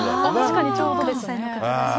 確かにちょうどですね。